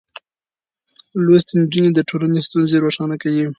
لوستې نجونې د ټولنې ستونزې روښانه کوي.